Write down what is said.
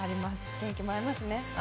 元気もらえますね。